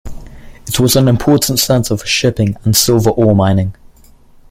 It was an important center for shipping and silver ore mining.